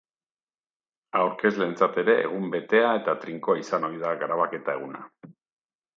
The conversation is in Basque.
Aurkezleentzat ere egun betea eta trinkoa izan ohi da grabaketa eguna.